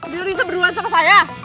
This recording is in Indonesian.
biar bisa berduaan sama saya